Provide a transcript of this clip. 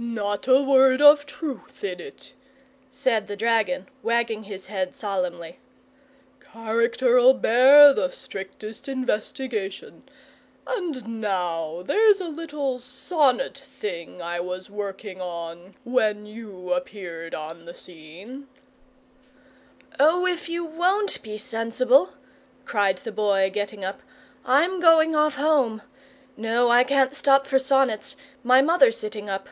"Not a word of truth in it," said the dragon, wagging his head solemnly. "Character'll bear the strictest investigation. And now, there's a little sonnet thing I was working on when you appeared on the scene " "Oh, if you WON'T be sensible," cried the Boy, getting up, "I'm going off home. No, I can't stop for sonnets; my mother's sitting up.